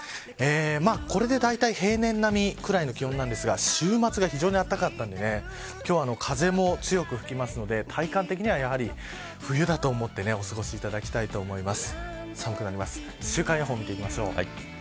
これでだいたい平年並みぐらいの気温なんですが週末が非常にあったかかったので今日は風も強く吹くので体感的には冬だと思って過ごしていただきたいと思います。